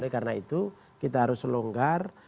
karena itu kita harus selonggar